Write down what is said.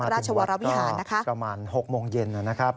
มาถึงวัดก็กระมาณ๖โมงเย็นนะครับ